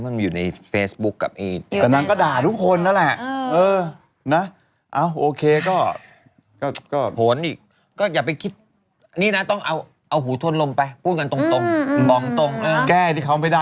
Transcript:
อันนั้นก็ด่าทุกคนน่ะแหละ